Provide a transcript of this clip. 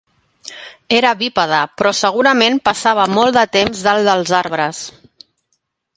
Era bípede, però segurament passava molt de temps dalt dels arbres.